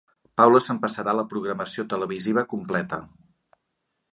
Paula s'empassarà la programació televisiva completa.